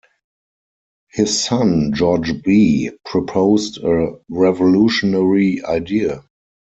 His son George B proposed a revolutionary idea.